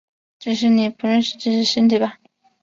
只是你不认识自己的身体吧！